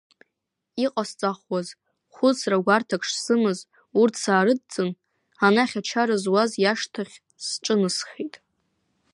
Иҟасҵахуаз, хәыцра гәарҭак шсымаз урҭ саарыдҵын, анахь ачара зуаз иашҭахь сҿынасхеит.